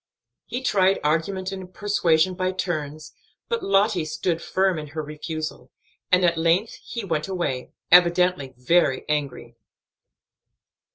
He tried argument and persuasion by turns, but Lottie stood firm in her refusal, and at length he went away, evidently very angry.